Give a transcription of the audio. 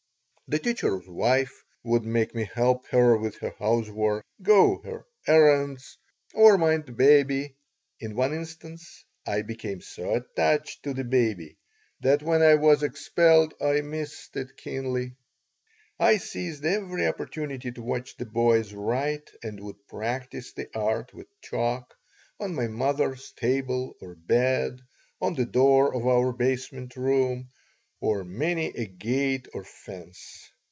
The teacher's wife would make me help her with her housework, go her errands, or mind the baby (in one instance I became so attached to the baby that when I was expelled I missed it keenly) I seized every opportunity to watch the boys write and would practise the art, with chalk, on my mother's table or bed, on the door of our basement room, on many a gate or fence.